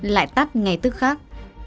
lại tắt ngay tức khác